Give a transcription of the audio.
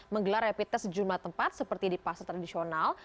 menggelar rapid test sejumlah tempat seperti di pasar tradisional